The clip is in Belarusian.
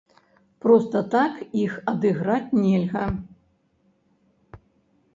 Проста так іх адыграць нельга.